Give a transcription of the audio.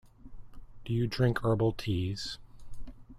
Do you drink herbal teas?